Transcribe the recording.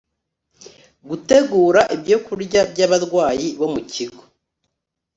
Gutegura ibyokurya byabarwayi bo mu kigo